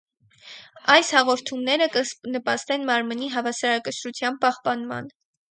Այս հաղորդումները կը նպաստեն մարմինի հաւասարակշռութեան պահպանման։